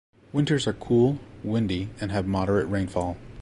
Winters are cool, windy and have moderate rainfall.